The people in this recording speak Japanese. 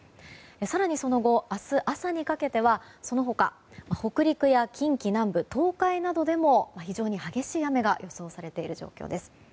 更にその後、明日朝にかけてはその他、北陸や近畿南部東海などでも非常に激しい雨が予想されている状況です。